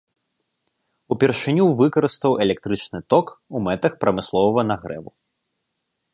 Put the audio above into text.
Упершыню выкарыстаў электрычны ток у мэтах прамысловага нагрэву.